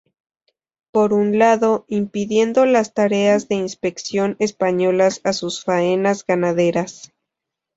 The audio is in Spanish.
Por un lado, impidiendo las tareas de inspección españolas a sus faenas ganaderas.